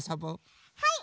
はい！